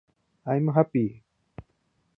i'm happy